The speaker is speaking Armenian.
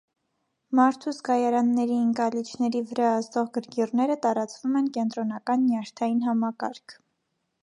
Մարդու զգայարանների ընկալիչների վրա ազդող գրգիռները տարածվում են կենտրոնական նյարդային համակարգ։